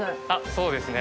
そうですね